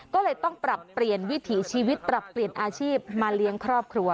ก็เลยต้องปรับเปลี่ยนวิถีชีวิตปรับเปลี่ยนอาชีพมาเลี้ยงครอบครัว